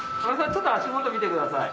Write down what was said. ちょっと足元見てください。